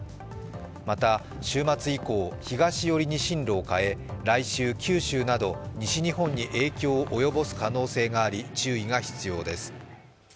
また週末以降、東寄りに進路を変え、来週、九州など西日本に影響を及ぼす可能性があり、注意が必要です。